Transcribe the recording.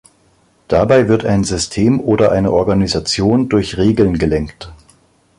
Dabei wird ein System oder eine Organisation durch Regeln gelenkt.